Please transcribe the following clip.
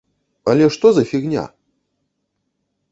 Але што за фігня?